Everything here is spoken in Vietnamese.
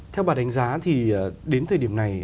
theo bà đánh giá thì đến thời điểm này